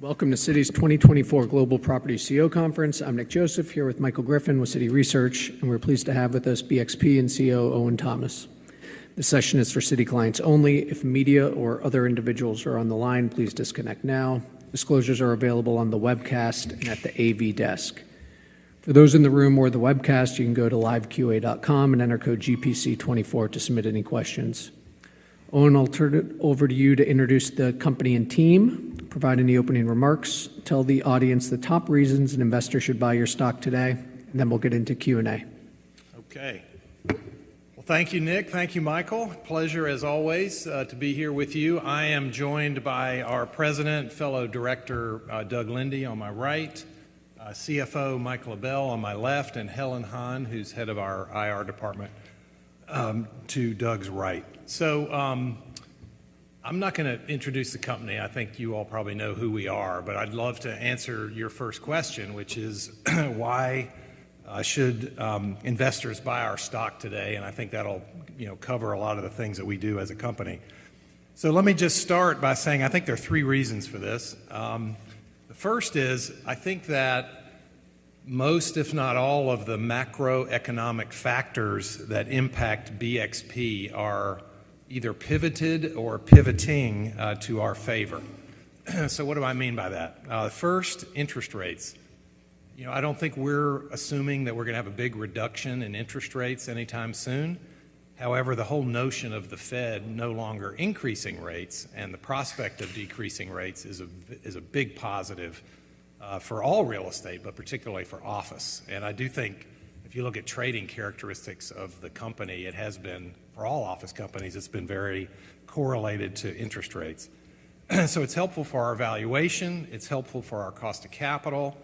Welcome to Citi's 2024 Global Property CEO Conference. I'm Nick Joseph, here with Michael Griffin with Citi Research, and we're pleased to have with us BXP and CEO Owen Thomas. This session is for Citi clients only. If media or other individuals are on the line, please disconnect now. Disclosures are available on the webcast and at the AV desk. For those in the room or the webcast, you can go to liveqa.com and enter code GPC 24 to submit any questions. Owen, I'll turn it over to you to introduce the company and team, provide any opening remarks, tell the audience the top reasons an investor should buy your stock today, and then we'll get into Q&A. Okay. Well, thank you, Nick. Thank you, Michael. Pleasure, as always, to be here with you. I am joined by our president, fellow director, Doug Linde on my right, CFO Michael LaBelle on my left, and Helen Han, who's head of our IR department, to Doug's right. So, I'm not going to introduce the company. I think you all probably know who we are, but I'd love to answer your first question, which is, why should investors buy our stock today? And I think that'll, you know, cover a lot of the things that we do as a company. So let me just start by saying I think there are three reasons for this. The first is, I think that most, if not all, of the macroeconomic factors that impact BXP are either pivoted or pivoting to our favor. So what do I mean by that? First, interest rates. You know, I don't think we're assuming that we're going to have a big reduction in interest rates anytime soon. However, the whole notion of the Fed no longer increasing rates and the prospect of decreasing rates is a big positive for all real estate, but particularly for office. And I do think if you look at trading characteristics of the company, it has been, for all office companies, it's been very correlated to interest rates. So it's helpful for our valuation, it's helpful for our cost of capital,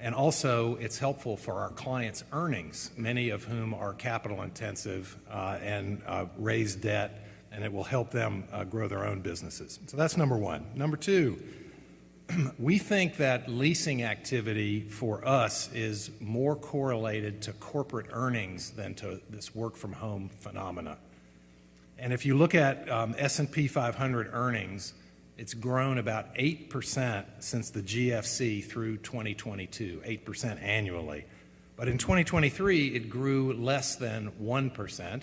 and also it's helpful for our clients' earnings, many of whom are capital-intensive and raise debt, and it will help them grow their own businesses. So that's number one. Number two, we think that leasing activity for us is more correlated to corporate earnings than to this work-from-home phenomena. And if you look at S&P 500 earnings, it's grown about 8% since the GFC through 2022, 8% annually. But in 2023, it grew less than 1%,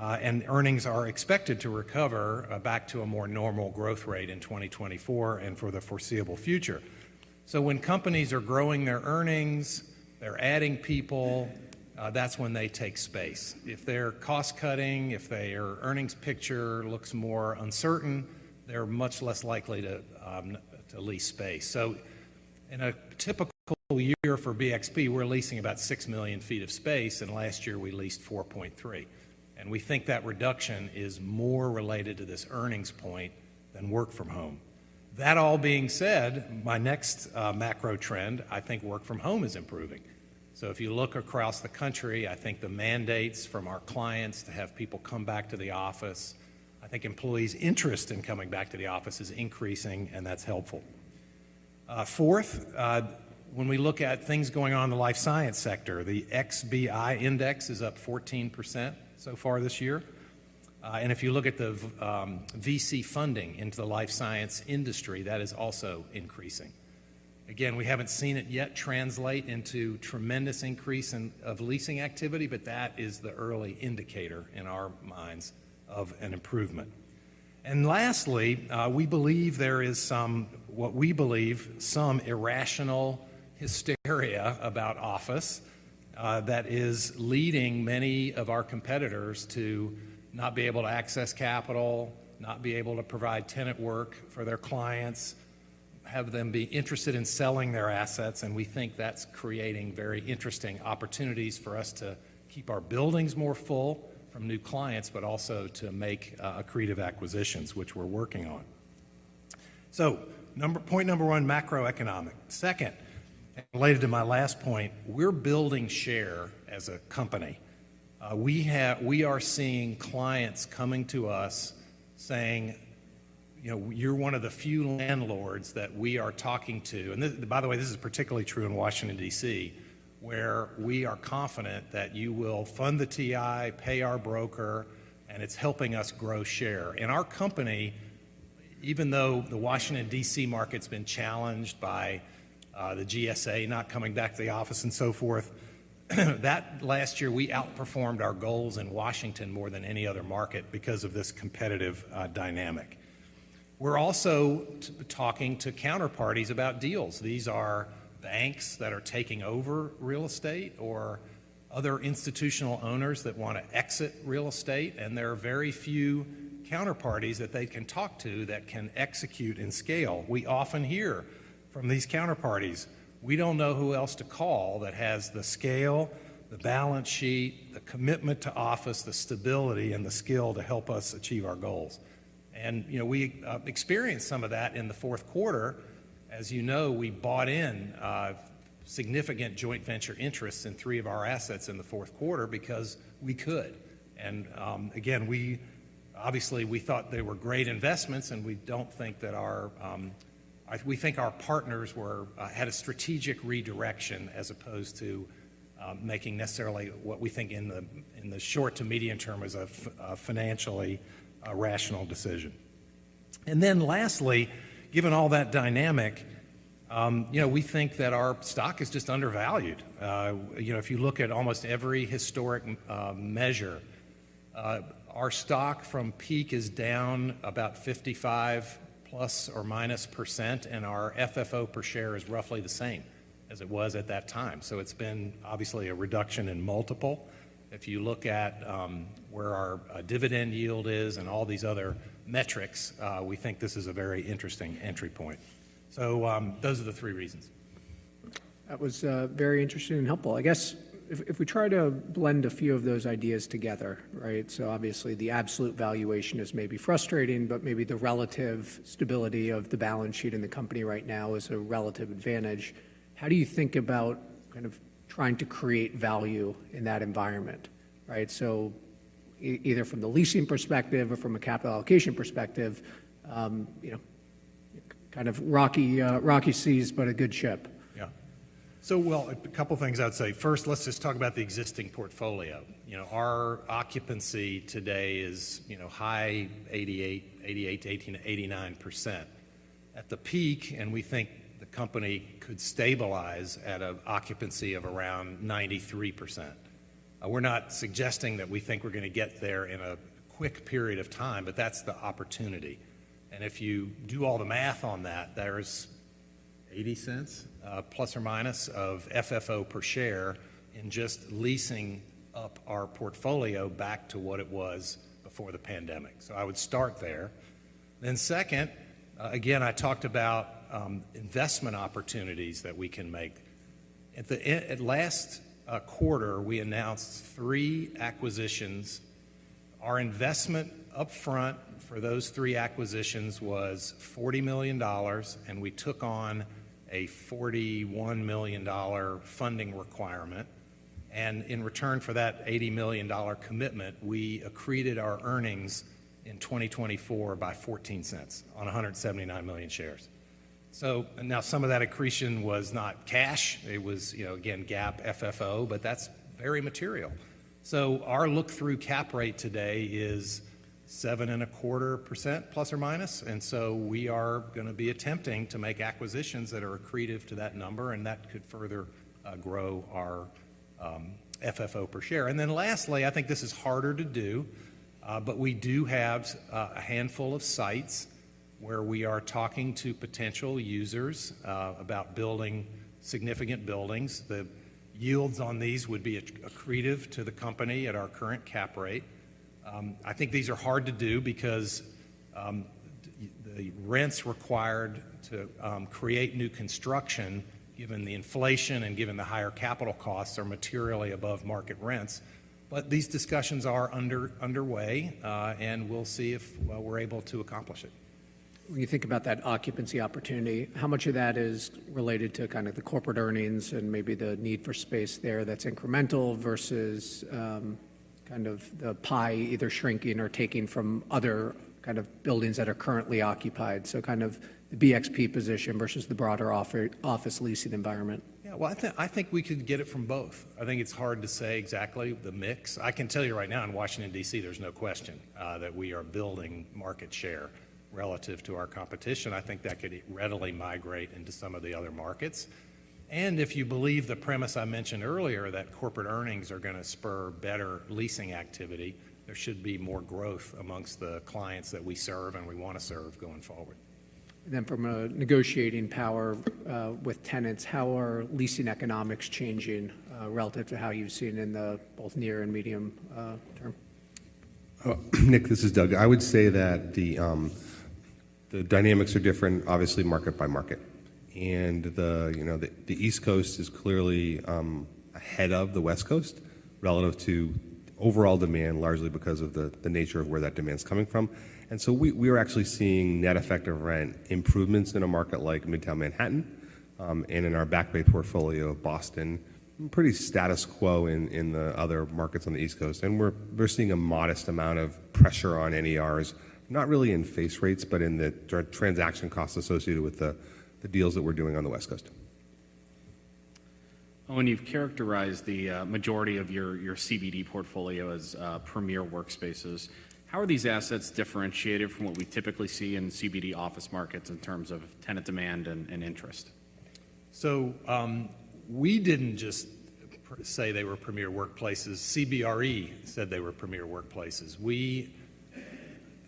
and earnings are expected to recover back to a more normal growth rate in 2024 and for the foreseeable future. So when companies are growing their earnings, they're adding people, that's when they take space. If they're cost-cutting, if their earnings picture looks more uncertain, they're much less likely to lease space. So in a typical year for BXP, we're leasing about 6 million ft. of space, and last year we leased 4.3, and we think that reduction is more related to this earnings point than work from home. That all being said, my next macro trend, I think work from home is improving. So if you look across the country, I think the mandates from our clients to have people come back to the office, I think employees' interest in coming back to the office is increasing, and that's helpful. Fourth, when we look at things going on in the life science sector, the XBI index is up 14% so far this year. And if you look at the VC funding into the life science industry, that is also increasing. Again, we haven't seen it yet translate into tremendous increase in leasing activity, but that is the early indicator in our minds of an improvement. And lastly, we believe there is some, what we believe, some irrational hysteria about office that is leading many of our competitors to not be able to access capital, not be able to provide tenant work for their clients, have them be interested in selling their assets, and we think that's creating very interesting opportunities for us to keep our buildings more full from new clients, but also to make accretive acquisitions, which we're working on. So, point number one, macroeconomic. Second, and related to my last point, we're building share as a company. We are seeing clients coming to us saying, "You know, you're one of the few landlords that we are talking to..." And this, by the way, this is particularly true in Washington, D.C., "where we are confident that you will fund the TI, pay our broker, and it's helping us grow share." And our company, even though the Washington, D.C., market's been challenged by the GSA not coming back to the office and so forth, that last year, we outperformed our goals in Washington more than any other market because of this competitive dynamic. We're also talking to counterparties about deals. These are banks that are taking over real estate or other institutional owners that want to exit real estate, and there are very few counterparties that they can talk to that can execute and scale. We often hear from these counterparties, "We don't know who else to call that has the scale, the balance sheet, the commitment to office, the stability, and the skill to help us achieve our goals." And, you know, we experienced some of that in the fourth quarter. As you know, we bought in significant joint venture interests in three of our assets in the fourth quarter because we could. And, again, obviously, we thought they were great investments, and we don't think that our, we think our partners were had a strategic redirection as opposed to making necessarily what we think in the short to medium term is a financially rational decision. And then lastly, given all that dynamic, you know, we think that our stock is just undervalued. You know, if you look at almost every historic measure, our stock from peak is down about ±55%, and our FFO per share is roughly the same as it was at that time. So it's been obviously a reduction in multiple. If you look at where our dividend yield is and all these other metrics, we think this is a very interesting entry point. So, those are the three reasons. That was very interesting and helpful. I guess if we try to blend a few of those ideas together, right? So obviously the absolute valuation is maybe frustrating, but maybe the relative stability of the balance sheet in the company right now is a relative advantage. How do you think about kind of trying to create value in that environment? Right, so either from the leasing perspective or from a capital allocation perspective, you know, kind of rocky, rocky seas, but a good ship. Yeah. So, well, a couple things I'd say. First, let's just talk about the existing portfolio. You know, our occupancy today is, you know, high 88%, 88%-89%. At the peak, and we think the company could stabilize at an occupancy of around 93%. We're not suggesting that we think we're going to get there in a quick period of time, but that's the opportunity. And if you do all the math on that, there's ±$0.80 of FFO per share in just leasing up our portfolio back to what it was before the pandemic. So I would start there. Then second, again, I talked about investment opportunities that we can make. At last quarter, we announced 3 acquisitions. Our investment upfront for those three acquisitions was $40 million, and we took on a $41 million funding requirement. And in return for that $80 million commitment, we accreted our earnings in 2024 by $0.14 on 179 million shares. So, now some of that accretion was not cash, it was, you know, again, GAAP, FFO, but that's very material. So our look-through cap rate today is ±7.25%, and so we are going to be attempting to make acquisitions that are accretive to that number, and that could further grow our FFO per share. And then lastly, I think this is harder to do, but we do have a handful of sites where we are talking to potential users about building significant buildings. The yields on these would be accretive to the company at our current cap rate. I think these are hard to do because the rents required to create new construction, given the inflation and given the higher capital costs, are materially above market rents. But these discussions are underway, and we'll see if we're able to accomplish it. When you think about that occupancy opportunity, how much of that is related to kind of the corporate earnings and maybe the need for space there that's incremental versus kind of the pie either shrinking or taking from other kind of buildings that are currently occupied? So kind of the BXP position versus the broader office leasing environment. Yeah, well, I think we could get it from both. I think it's hard to say exactly the mix. I can tell you right now in Washington, D.C., there's no question that we are building market share relative to our competition. I think that could readily migrate into some of the other markets. And if you believe the premise I mentioned earlier, that corporate earnings are going to spur better leasing activity, there should be more growth amongst the clients that we serve and we want to serve going forward. And then from a negotiating power with tenants, how are leasing economics changing relative to how you've seen in the both near and medium term? Nick, this is Doug. I would say that the dynamics are different, obviously, market by market. And the, you know, the East Coast is clearly ahead of the West Coast relative to overall demand, largely because of the nature of where that demand is coming from. And so we are actually seeing net effective rent improvements in a market like Midtown Manhattan, and in our Back Bay portfolio of Boston. Pretty status quo in the other markets on the East Coast. And we're seeing a modest amount of pressure on NERs, not really in face rates, but in the transaction costs associated with the deals that we're doing on the West Coast. Owen, you've characterized the majority of your CBD portfolio as Premier workspaces. How are these assets differentiated from what we typically see in CBD office markets in terms of tenant demand and interest? So, we didn't just say they were Premier Workplaces; CBRE said they were Premier Workplaces. We...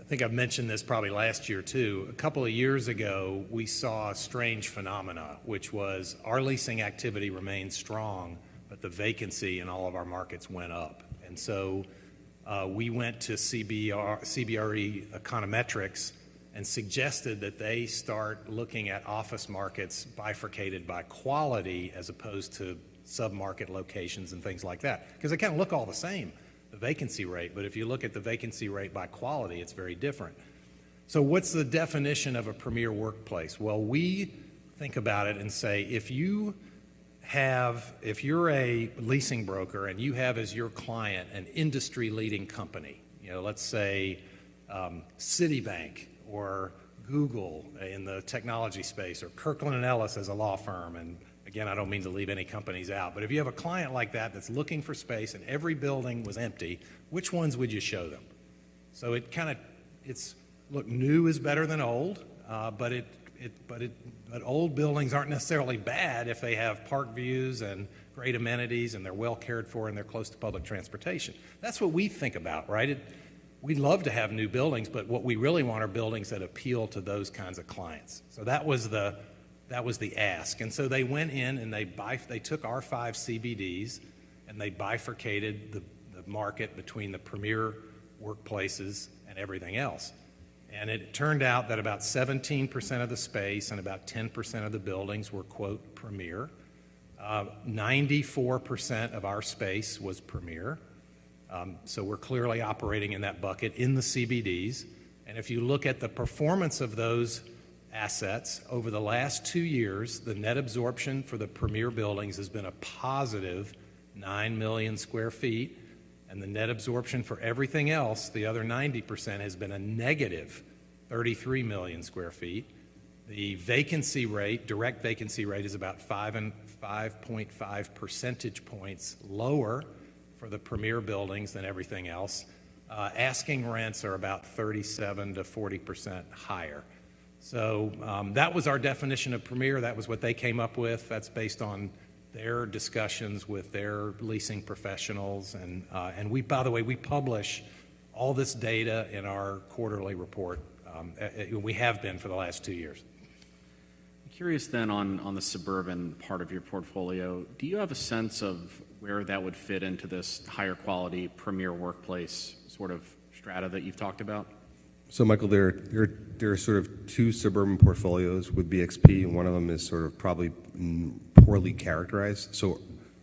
I think I've mentioned this probably last year, too. A couple of years ago, we saw a strange phenomenon, which was our leasing activity remained strong, but the vacancy in all of our markets went up. And so, we went to CBRE Econometrics and suggested that they start looking at office markets bifurcated by quality as opposed to submarket locations and things like that. Because they kind of look all the same, the vacancy rate, but if you look at the vacancy rate by quality, it's very different. So what's the definition of a Premier workplace? Well, we think about it and say, if you're a leasing broker and you have as your client an industry-leading company, you know, let's say, Citibank or Google in the technology space or Kirkland & Ellis as a law firm, and again, I don't mean to leave any companies out, but if you have a client like that, that's looking for space and every building was empty, which ones would you show them? So it kind of, it's, look, new is better than old, but old buildings aren't necessarily bad if they have park views and great amenities, and they're well cared for, and they're close to public transportation. That's what we think about, right? We love to have new buildings, but what we really want are buildings that appeal to those kinds of clients. So that was the, that was the ask. And so they went in and they took our five CBDs, and they bifurcated the market between the Premier workplaces and everything else. And it turned out that about 17% of the space and about 10% of the buildings were, quote, "Premier." 94% of our space was Premier. So we're clearly operating in that bucket in the CBDs. And if you look at the performance of those assets over the last 2 years, the net absorption for the Premier buildings has been a positive 9 million sq. ft, and the net absorption for everything else, the other 90%, has been a negative 33 million sq. ft. The vacancy rate, direct vacancy rate, is about 5 and 5.5 percentage points lower for the Premier buildings than everything else. Asking rents are about 37%-40% higher. So, that was our definition of Premier. That was what they came up with. That's based on their discussions with their leasing professionals. And we, by the way, we publish all this data in our quarterly report. We have been for the last two years. I'm curious then on the suburban part of your portfolio, do you have a sense of where that would fit into this higher quality Premier Workplace sort of strata that you've talked about? So, Michael, there are sort of two suburban portfolios with BXP, and one of them is sort of probably poorly characterized. So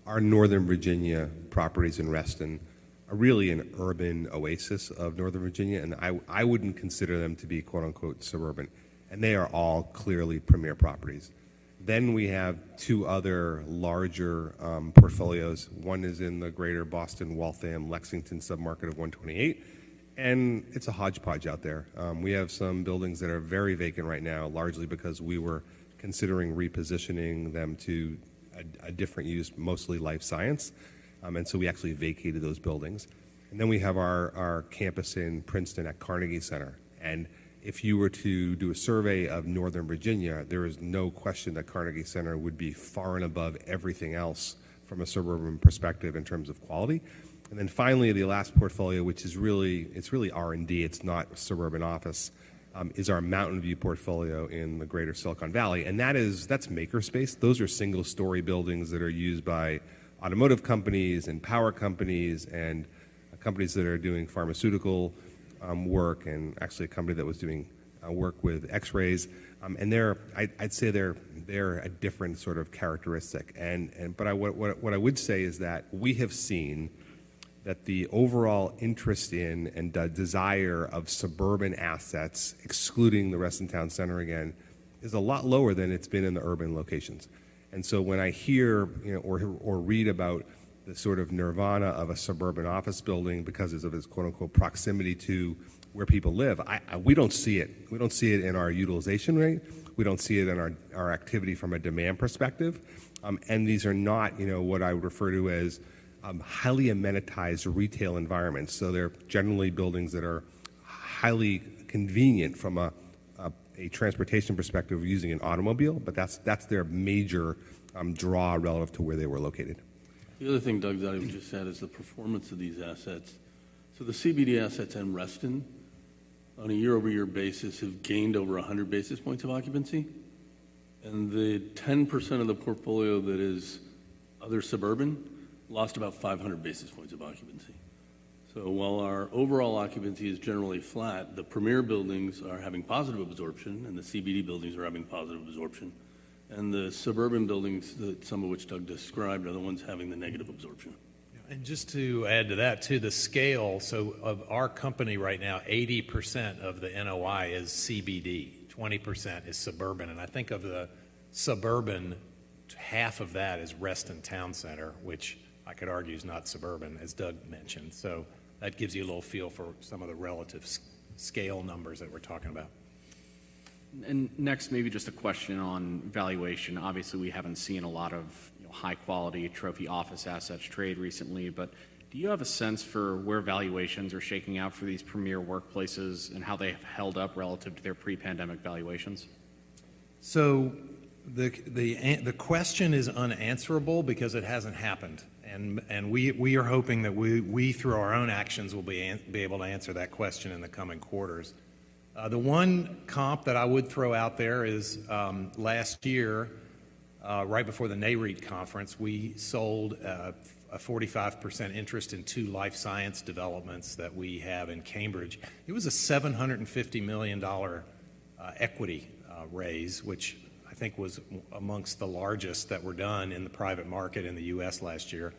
our Northern Virginia properties in Reston are really an urban oasis of Northern Virginia, and I wouldn't consider them to be, quote, unquote, "suburban," and they are all clearly Premier properties. Then we have two other larger portfolios. One is in the Greater Boston, Waltham, Lexington submarket of 128, and it's a hodgepodge out there. We have some buildings that are very vacant right now, largely because we were considering repositioning them to a different use, mostly life science. And so we actually vacated those buildings. And then we have our campus in Princeton at Carnegie Center, and if you were to do a survey of Northern Virginia, there is no question that Carnegie Center would be far and above everything else from a suburban perspective in terms of quality. And then finally, the last portfolio, which is really, it's really R&D, it's not suburban office, is our Mountain View portfolio in the greater Silicon Valley, and that is, that's makerspace. Those are single-story buildings that are used by automotive companies and power companies and companies that are doing pharmaceutical work, and actually a company that was doing work with X-rays. And I'd say they're a different sort of characteristic. What I would say is that we have seen that the overall interest in and the desire of suburban assets, excluding the Reston Town Center again, is a lot lower than it's been in the urban locations. And so when I hear, you know, or read about the sort of nirvana of a suburban office building because of its, quote, unquote, "proximity" to where people live, we don't see it. We don't see it in our utilization rate. We don't see it in our activity from a demand perspective. And these are not, you know, what I would refer to as highly amenitized retail environments. So they're generally buildings that are highly convenient from a transportation perspective using an automobile, but that's their major draw relative to where they were located. The other thing, Doug, that I would just add is the performance of these assets. So the CBD assets in Reston, on a year-over-year basis, have gained over 100 basis points of occupancy, and the 10% of the portfolio that is other suburban lost about 500 basis points of occupancy. So while our overall occupancy is generally flat, the Premier buildings are having positive absorption, and the CBD buildings are having positive absorption, and the suburban buildings, that some of which Doug described, are the ones having the negative absorption. And just to add to that, to the scale, so of our company right now, 80% of the NOI is CBD, 20% is suburban. And I think of the suburban, half of that is Reston Town Center, which I could argue is not suburban, as Doug mentioned. So that gives you a little feel for some of the relative scale numbers that we're talking about. And next, maybe just a question on valuation. Obviously, we haven't seen a lot of high-quality trophy office assets trade recently, but do you have a sense for where valuations are shaking out for these Premier Workplaces and how they have held up relative to their pre-pandemic valuations? So the question is unanswerable because it hasn't happened, and we are hoping that we, through our own actions, will be able to answer that question in the coming quarters. The one comp that I would throw out there is, last year, right before the NAREIT conference, we sold a 45% interest in two life science developments that we have in Cambridge. It was a $750 million equity raise, which I think was amongst the largest that were done in the private market in the U.S. last year.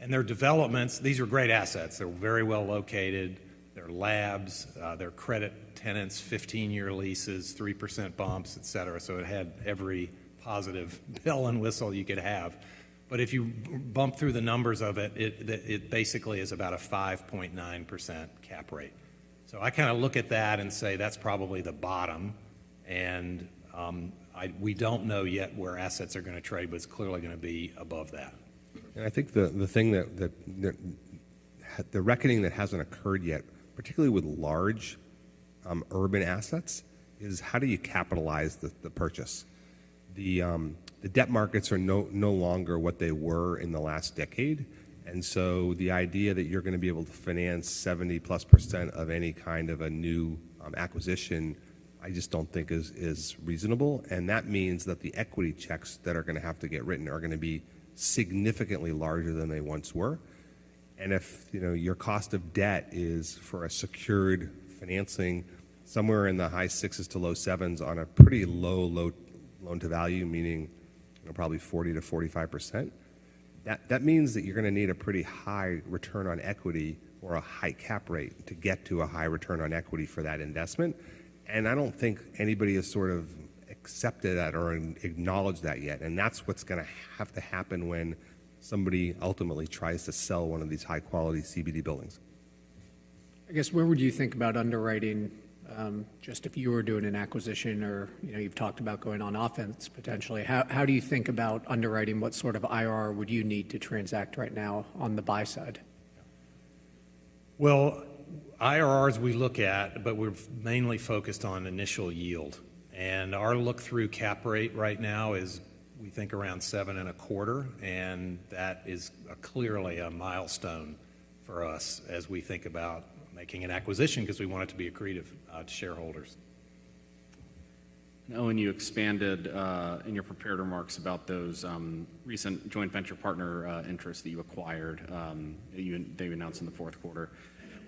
And their developments, these are great assets. They're very well located. Their labs, their credit tenants, 15-year leases, 3% bumps, etc. So it had every positive bell and whistle you could have. But if you bump through the numbers of it, it basically is about a 5.9% cap rate. So I kind of look at that and say, that's probably the bottom. And we don't know yet where assets are going to trade, but it's clearly going to be above that. I think the thing that the reckoning that hasn't occurred yet, particularly with large urban assets, is how do you capitalize the purchase? The debt markets are no longer what they were in the last decade, and so the idea that you're going to be able to finance 70% + of any kind of a new acquisition, I just don't think is reasonable. And that means that the equity checks that are going to have to get written are going to be significantly larger than they once were. And if, you know, your cost of debt is for a secured financing somewhere in the high 6s-low 7s on a pretty low loan-to-value, meaning probably 40%-45%, that, that means that you're going to need a pretty high return on equity or a high cap rate to get to a high return on equity for that investment. And I don't think anybody has sort of accepted that or acknowledged that yet, and that's what's going to have to happen when somebody ultimately tries to sell one of these high-quality CBD buildings. I guess, where would you think about underwriting, just if you were doing an acquisition or, you know, you've talked about going on offense potentially. How do you think about underwriting? What sort of IRR would you need to transact right now on the buy side? Well, IRRs we look at, but we've mainly focused on initial yield, and our look-through Cap Rate right now is, we think, around 7.25, and that is clearly a milestone for us as we think about making an acquisition because we want it to be accretive to shareholders. Owen, you expanded in your prepared remarks about those recent joint venture partner interests that you acquired, they announced in the fourth quarter.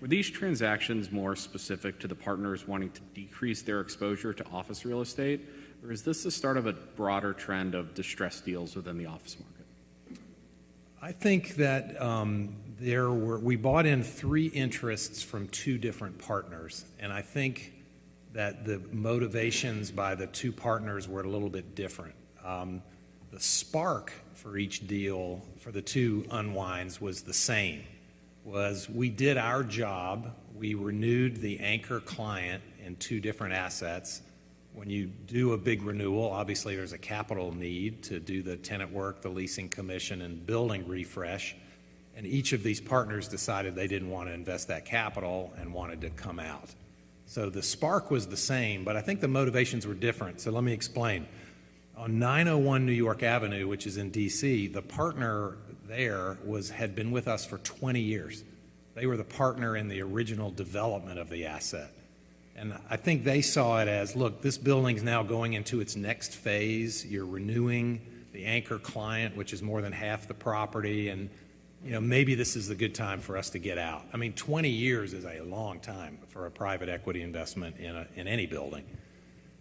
Were these transactions more specific to the partners wanting to decrease their exposure to office real estate, or is this the start of a broader trend of distressed deals within the office market? I think that, we bought in three interests from two different partners, and I think that the motivations by the two partners were a little bit different. The spark for each deal for the two unwinds was the same, was we did our job, we renewed the anchor client in two different assets. When you do a big renewal, obviously, there's a capital need to do the tenant work, the leasing commission, and building refresh, and each of these partners decided they didn't want to invest that capital and wanted to come out. So the spark was the same, but I think the motivations were different. So let me explain. On 901 New York Avenue, which is in D.C., the partner there had been with us for 20 years. They were the partner in the original development of the asset, and I think they saw it as, "Look, this building's now going into its next phase. You're renewing the anchor client, which is more than half the property, and, you know, maybe this is a good time for us to get out." I mean, 20 years is a long time for a private equity investment in any building.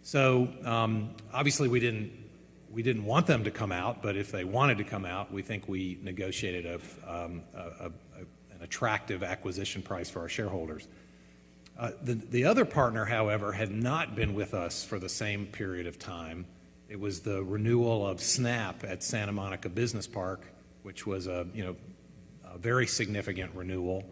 So, obviously, we didn't, we didn't want them to come out, but if they wanted to come out, we think we negotiated an attractive acquisition price for our shareholders. The other partner, however, had not been with us for the same period of time. It was the renewal of Snap at Santa Monica Business Park, which was a, you know, a very significant renewal,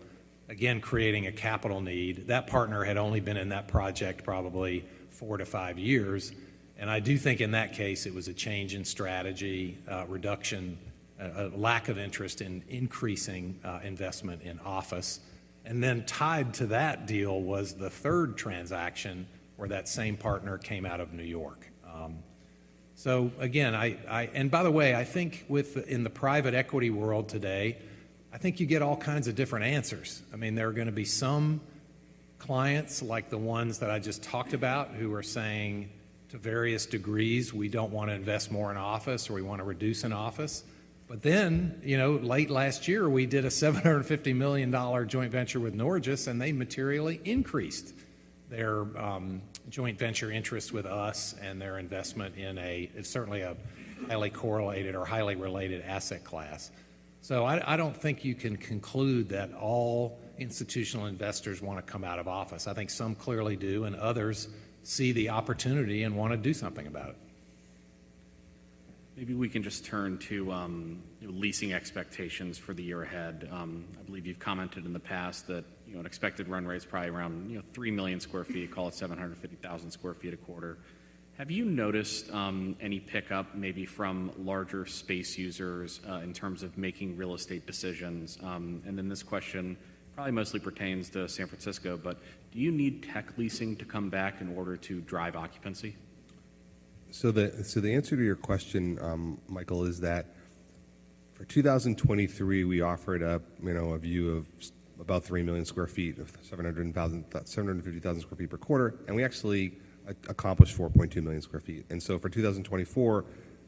again, creating a capital need. That partner had only been in that project probably four to five years, and I do think in that case it was a change in strategy, reduction, a lack of interest in increasing, investment in office. And then tied to that deal was the third transaction, where that same partner came out of New York. So again, I... And by the way, I think with, in the private equity world today, I think you get all kinds of different answers. I mean, there are going to be some clients, like the ones that I just talked about, who are saying to various degrees, "We don't want to invest more in office, or we want to reduce in office." But then, you know, late last year, we did a $750 million joint venture with Norges, and they materially increased their joint venture interests with us and their investment in a certainly a highly correlated or highly related asset class. So I don't think you can conclude that all institutional investors want to come out of office. I think some clearly do, and others see the opportunity and want to do something about it. Maybe we can just turn to leasing expectations for the year ahead. I believe you've commented in the past that, you know, an expected run rate is probably around, you know, 3 million sq. ft., call it 750,000 sq. ft. a quarter. Have you noticed any pickup maybe from larger space users in terms of making real estate decisions? And then this question probably mostly pertains to San Francisco, but do you need tech leasing to come back in order to drive occupancy? So the answer to your question, Michael, is that for 2023, we offered, you know, a view of about 3 million sq ft of 700,000, 750,000 sq. ft. per quarter, and we actually accomplished 4.2 million sq. ft.. And so for 2024,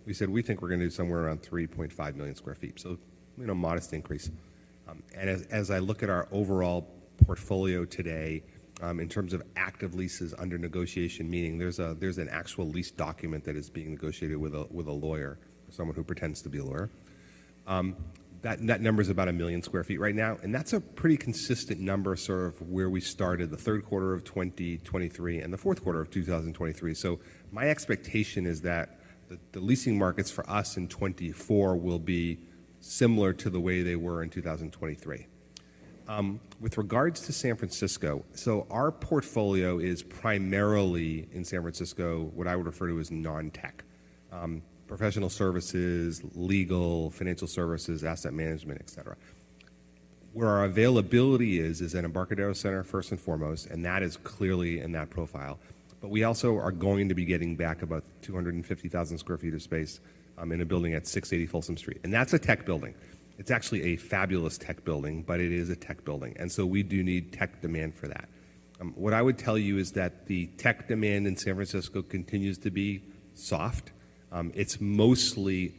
we said we think we're going to do somewhere around 3.5 million sq. ft.. So, you know, a modest increase. As I look at our overall portfolio today, in terms of active leases under negotiation, meaning there's an actual lease document that is being negotiated with a lawyer, someone who pretends to be a lawyer, that number is about 1 million sq. ft. right now, and that's a pretty consistent number, sort of where we started the third quarter of 2023 and the fourth quarter of 2023. So my expectation is that the leasing markets for us in 2024 will be similar to the way they were in 2023... With regards to San Francisco, our portfolio is primarily in San Francisco, what I would refer to as non-tech. Professional services, legal, financial services, asset management, etc. Where our availability is, is at Embarcadero Center, first and foremost, and that is clearly in that profile. But we also are going to be getting back about 250,000 sq. ft. of space in a building at 680 Folsom Street, and that's a tech building. It's actually a fabulous tech building, but it is a tech building, and so we do need tech demand for that. What I would tell you is that the tech demand in San Francisco continues to be soft. It's mostly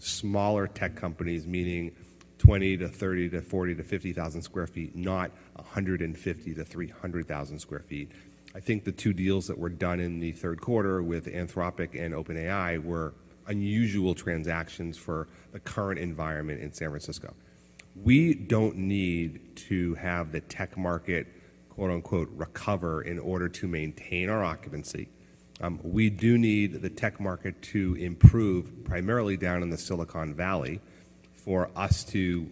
smaller tech companies, meaning 20-50,000 sq. ft., not 150-300,000 sq. ft.. I think the two deals that were done in the third quarter with Anthropic and OpenAI were unusual transactions for the current environment in San Francisco. We don't need to have the tech market, quote unquote, "recover" in order to maintain our occupancy. We do need the tech market to improve, primarily down in the Silicon Valley, for us to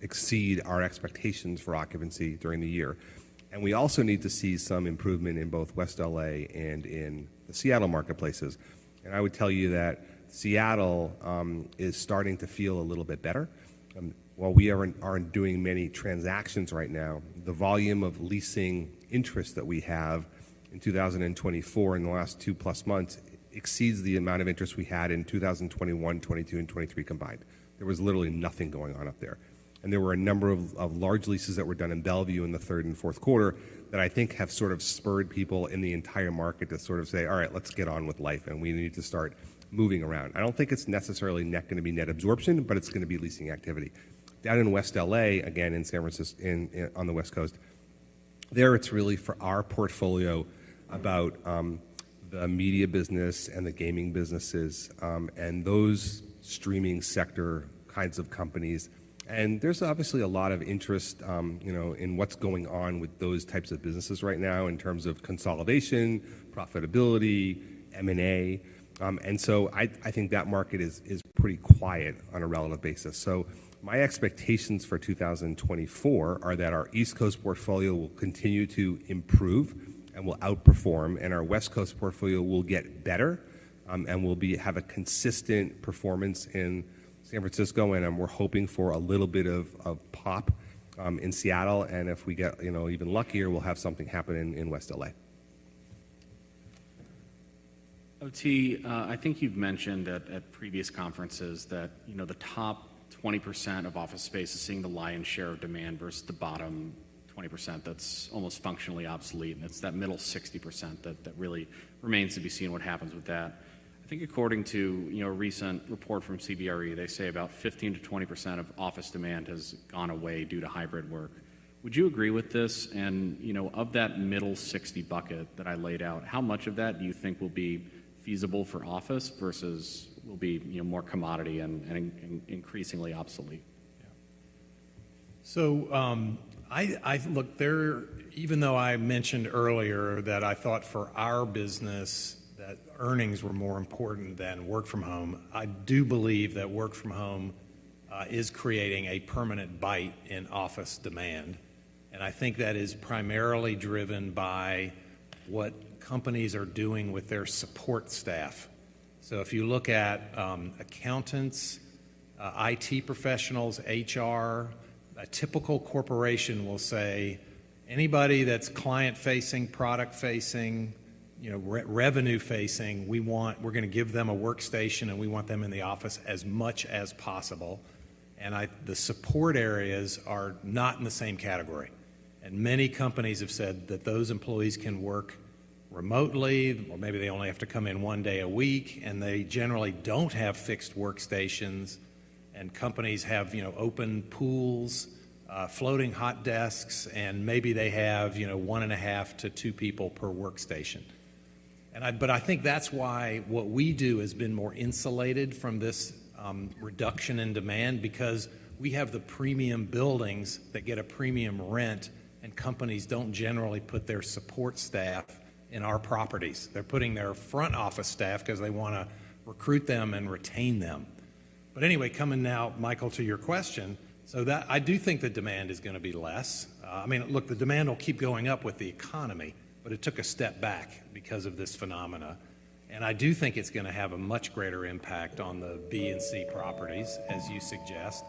exceed our expectations for occupancy during the year. We also need to see some improvement in both West LA and in the Seattle marketplaces. I would tell you that Seattle is starting to feel a little bit better. While we aren't doing many transactions right now, the volume of leasing interest that we have in 2024, in the last 2+ months, exceeds the amount of interest we had in 2021, 2022, and 2023 combined. There was literally nothing going on up there. There were a number of large leases that were done in Bellevue in the third and fourth quarter that I think have sort of spurred people in the entire market to sort of say, "All right, let's get on with life, and we need to start moving around." I don't think it's necessarily gonna be net absorption, but it's gonna be leasing activity. Down in West L.A., again, in San Francisco, on the West Coast, it's really for our portfolio about the media business and the gaming businesses, and those streaming sector kinds of companies. And there's obviously a lot of interest, you know, in what's going on with those types of businesses right now in terms of consolidation, profitability, M&A. So I think that market is pretty quiet on a relative basis. My expectations for 2024 are that our East Coast portfolio will continue to improve and will outperform, and our West Coast portfolio will get better and will have a consistent performance in San Francisco, and we're hoping for a little bit of pop in Seattle, and if we get, you know, even luckier, we'll have something happen in West L.A.. I think you've mentioned at previous conferences that, you know, the top 20% of office space is seeing the lion's share of demand versus the bottom 20% that's almost functionally obsolete, and it's that middle 60% that really remains to be seen what happens with that. I think according to, you know, a recent report from CBRE, they say about 15%-20% of office demand has gone away due to hybrid work. Would you agree with this? And, you know, of that middle 60 bucket that I laid out, how much of that do you think will be feasible for office versus will be, you know, more commodity and increasingly obsolete? So, Look, there, even though I mentioned earlier that I thought for our business, that earnings were more important than work from home, I do believe that work from home is creating a permanent bite in office demand. And I think that is primarily driven by what companies are doing with their support staff. So if you look at accountants, IT professionals, HR, a typical corporation will say, "Anybody that's client-facing, product-facing, you know, revenue-facing, we want, we're gonna give them a workstation, and we want them in the office as much as possible." And I, the support areas are not in the same category. And many companies have said that those employees can work remotely, or maybe they only have to come in one day a week, and they generally don't have fixed workstations. Companies have, you know, open pools, floating hot desks, and maybe they have, you know, 1.5-2 people per workstation. But I think that's why what we do has been more insulated from this reduction in demand, because we have the premium buildings that get a premium rent, and companies don't generally put their support staff in our properties. They're putting their front office staff because they want to recruit them and retain them. But anyway, coming now, Michael, to your question, so, I do think the demand is gonna be less. I mean, look, the demand will keep going up with the economy, but it took a step back because of this phenomena. And I do think it's gonna have a much greater impact on the B and C properties, as you suggest.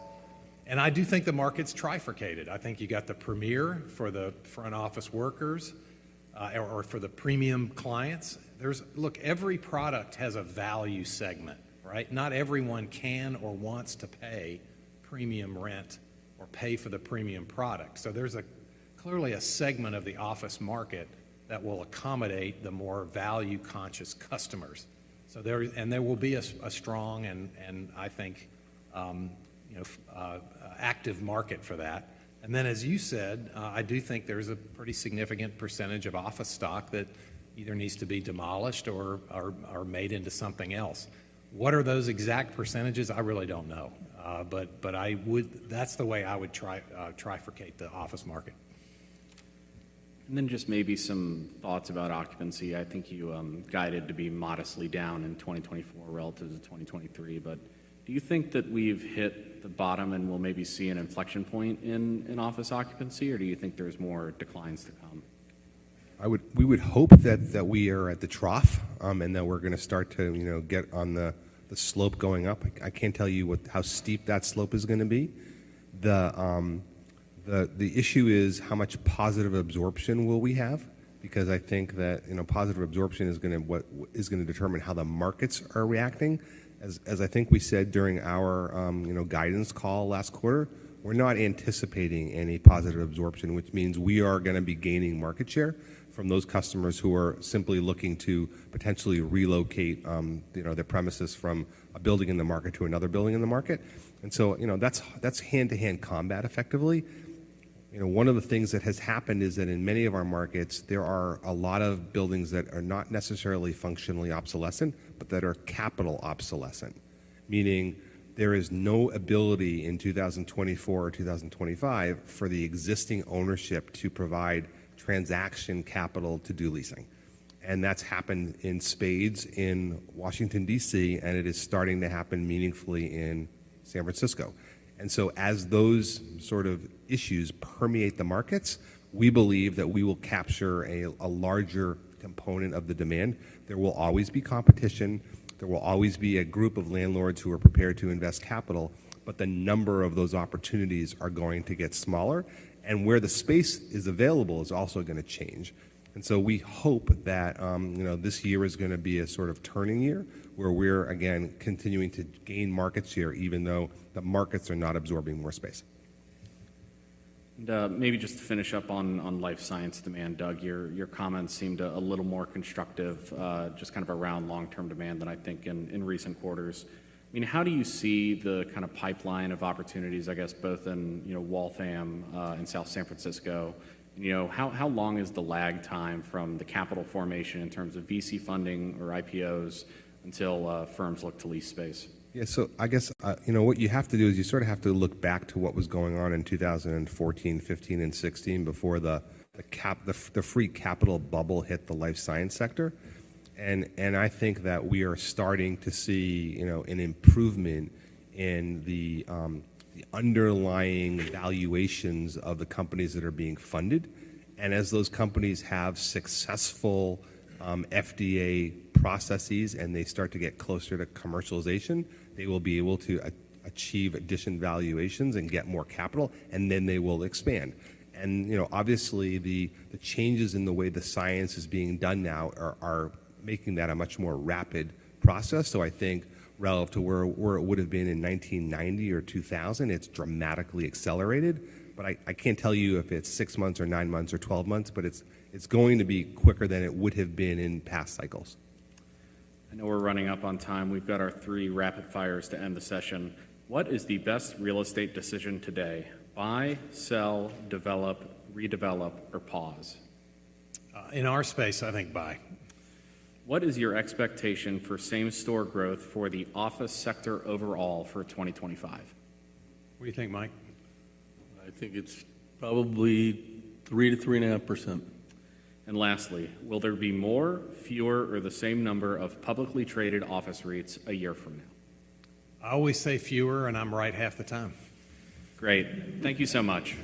I do think the market's trifurcated. I think you got the Premier for the front office workers, or for the premium clients. There's. Look, every product has a value segment, right? Not everyone can or wants to pay premium rent or pay for the premium product. So there's clearly a segment of the office market that will accommodate the more value-conscious customers. So there and there will be a strong and I think you know active market for that. And then, as you said, I do think there's a pretty significant percentage of office stock that either needs to be demolished or made into something else. What are those exact percentages? I really don't know. But that's the way I would trifurcate the office market. And then just maybe some thoughts about occupancy. I think you guided to be modestly down in 2024 relative to 2023, but do you think that we've hit the bottom and we'll maybe see an inflection point in office occupancy? Or do you think there's more declines to come? We would hope that we are at the trough, and that we're going to start to, you know, get on the slope going up. I can't tell you how steep that slope is going to be. The issue is how much positive absorption will we have? Because I think that, you know, positive absorption is going to determine how the markets are reacting. As I think we said during our, you know, guidance call last quarter, we're not anticipating any positive absorption, which means we are going to be gaining market share from those customers who are simply looking to potentially relocate, you know, their premises from a building in the market to another building in the market. And so, you know, that's hand-to-hand combat effectively. You know, one of the things that has happened is that in many of our markets, there are a lot of buildings that are not necessarily functionally obsolescent, but that are capital obsolescent. Meaning there is no ability in 2024 or 2025 for the existing ownership to provide transaction capital to do leasing. And that's happened in spades in Washington, D.C., and it is starting to happen meaningfully in San Francisco. And so as those sort of issues permeate the markets, we believe that we will capture a, a larger component of the demand. There will always be competition. There will always be a group of landlords who are prepared to invest capital, but the number of those opportunities are going to get smaller, and where the space is available is also going to change. We hope that, you know, this year is going to be a sort of turning year, where we're, again, continuing to gain market share, even though the markets are not absorbing more space. Maybe just to finish up on life science demand, Doug, your comments seemed a little more constructive just kind of around long-term demand than I think in recent quarters. I mean, how do you see the kind of pipeline of opportunities, I guess, both in, you know, Waltham and South San Francisco? You know, how long is the lag time from the capital formation in terms of VC funding or IPOs until firms look to lease space? Yeah, so I guess, you know, what you have to do is you sort of have to look back to what was going on in 2014, 2015, and 2016 before the cheap free capital bubble hit the life science sector. And I think that we are starting to see, you know, an improvement in the underlying valuations of the companies that are being funded. And as those companies have successful FDA processes and they start to get closer to commercialization, they will be able to achieve additional valuations and get more capital, and then they will expand. And, you know, obviously, the changes in the way the science is being done now are making that a much more rapid process. So I think relative to where, where it would have been in 1990 or 2000, it's dramatically accelerated. But I, I can't tell you if it's six months or nine months or 12 months, but it's, it's going to be quicker than it would have been in past cycles. I know we're running up on time. We've got our three rapid fires to end the session. What is the best real estate decision today: buy, sell, develop, redevelop, or pause? In our space, I think buy. What is your expectation for same-store growth for the office sector overall for 2025? What do you think, Mike? I think it's probably 3%-3.5%. Lastly, will there be more, fewer, or the same number of publicly traded office REITs a year from now? I always say fewer, and I'm right half the time. Great. Thank you so much.